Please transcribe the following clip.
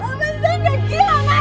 lepasin dia gila mas